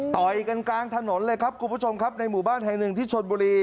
ต่อยกันกลางถนนเลยครับคุณผู้ชมครับในหมู่บ้านแห่งหนึ่งที่ชนบุรี